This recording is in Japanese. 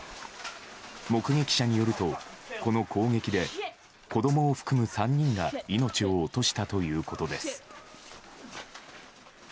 目撃者によると、この攻撃で子供を含む３人が命を落としたということです。